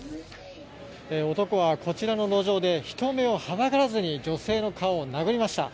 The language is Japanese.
男はこちらの路上で人目をはばからずに女性の顔を殴りました。